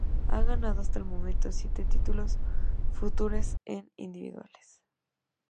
Ha ganado hasta el momento siete títulos futures en individuales.